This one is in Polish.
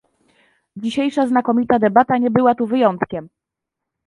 Dzisiejsza znakomita debata nie była tu wyjątkiem